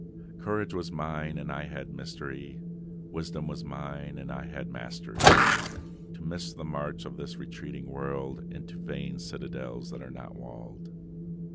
Courage was mine, and I had mystery; Wisdom was mine, and I had mastery To miss the march of this retreating world Into vain citadels that are not walled.